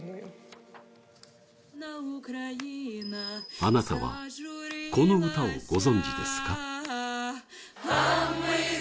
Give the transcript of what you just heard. あなたは、この歌をご存じですか？